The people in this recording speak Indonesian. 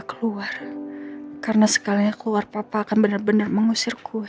keluar karena sekarangnya keluar papa akan benar benar mengusir gue